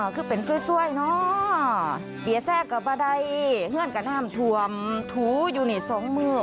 อ๋อคือเป็นสวยเนอะเปียร์แทรกกับบาดัยเฮื่อนกับน้ำถวมถูยูนิตสองมือ